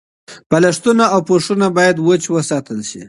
بالښتونه او پوښونه باید وچ وساتل شي.